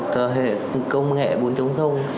thời hệ công nghệ bốn chống thông